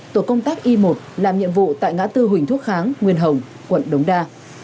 tổ công tác y một làm nhiệm vụ tại ngã tư huỳnh thúc kháng nguyên hồng quận đống đa